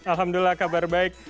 alhamdulillah kabar baik